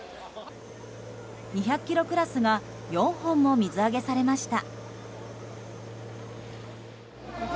２００ｋｇクラスが４本も水揚げされました。